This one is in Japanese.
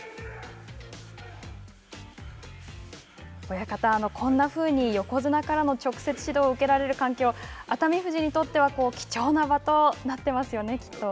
親方、こんなふうに、横綱からの直接指導を受けられる環境は熱海富士にとっては貴重な場となっていますよね、きっと。